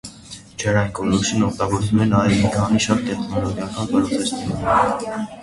Ջրային գոլորշին օգտագործվում է նաև մի շարք տեխնոլոգիական պրոցեսներում։